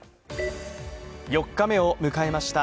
４日目を迎えました